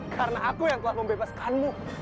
karena aku yang telah membebaskanmu